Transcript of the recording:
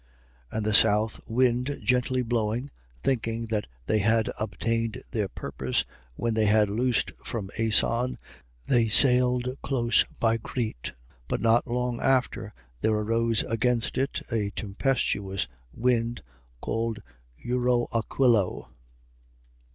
27:13. And the south wind gently blowing, thinking that they had obtained their purpose, when they had loosed from Asson, they sailed close by Crete. 27:14. But not long after, there arose against it a tempestuous wind, called Euroaquilo.